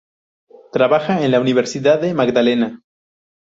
Trabaja en la Universidad del Magdalena.